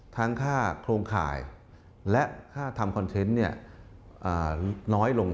ค่าโครงข่ายและค่าทำคอนเทนต์น้อยลง